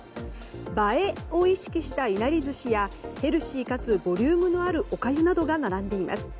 映えを意識した、いなり寿司やヘルシーかつボリュームのあるおかゆなどが並んでいます。